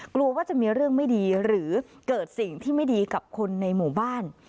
กลัวว่าจะมีเรื่องไม่ดีหรือเกิดสิ่งที่ไม่ดีกับคนในหมู่บ้าน